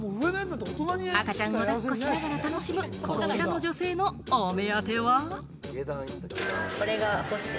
赤ちゃんを抱っこしながら楽しむ、こちらの女性のお目当ては。